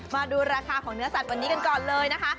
มาดูราคาของเนื้อสัตว์วันนี้กันก่อนเลยนะคะ